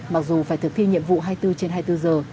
mặc dù phải thực thi nhiệm vụ hai mươi bốn trên hai mươi bốn giờ